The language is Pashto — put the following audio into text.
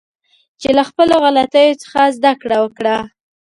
چې له خپلو غلطیو څخه زده کړه وکړه